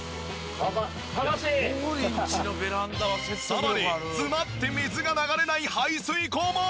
さらに詰まって水が流れない排水口も。